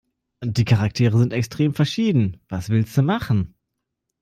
Die Charaktere sind extrem verschieden. Was willste machen?